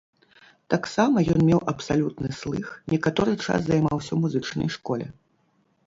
Таксама ён меў абсалютны слых, некаторы час займаўся ў музычнай школе.